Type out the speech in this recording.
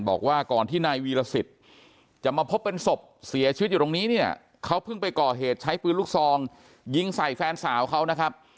บอกว่าก่อนที่นายวีรสิทธิ์จะมาพบเป็นศพเสียชีวิตอยู่ตรงนี้เนี่ยเขาเพิ่งไปก่อเหตุใช้ปืนลูกซองยิงใส่แฟนสาวเขานะครับ